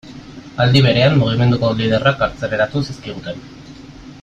Aldi berean, mugimenduko liderrak kartzelaratu zizkiguten.